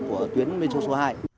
của tuyến metro số hai